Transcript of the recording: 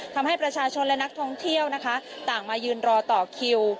ทำให้ประชาชนและนักท่องเที่ยวนะคะต่างมายืนรอต่อคิว